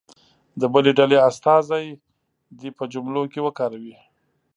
د بلې ډلې استازی دې په جملو کې وکاروي.